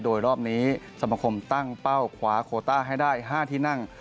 โดยรอบนี้สมคมตั้งเป้าขวาโคต้าให้ได้๕ที่นั่ง